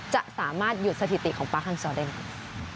จะสามารถหยุดสถิติของป๊าฮังซอร์ได้ไหม